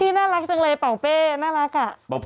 น่ารักจังเลยเป่าเป้น่ารักอ่ะ